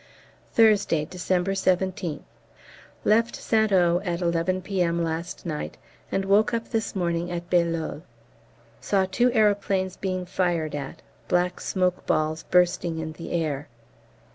Thursday, December 17th. Left St O. at 11 P.M. last night, and woke up this morning at Bailleul. Saw two aeroplanes being fired at, black smoke balls bursting in the air.